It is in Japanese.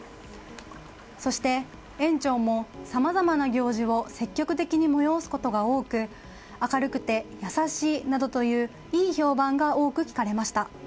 そして、園長もさまざまな行事を積極的に催すことが多く明るくて優しいなどといういい評判が多く聞かれました。